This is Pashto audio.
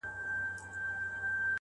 نوې د ایمل او دریاخان حماسه ولیکه-